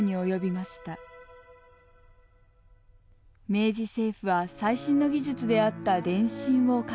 明治政府は最新の技術であった電信を活用。